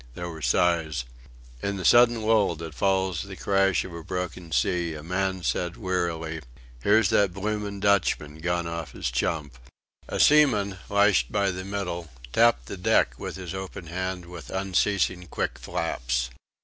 There were sighs. In the sudden lull that follows the crash of a broken sea a man said wearily, "Here's that blooming Dutchman gone off his chump." A seaman, lashed by the middle, tapped the deck with his open hand with unceasing quick flaps.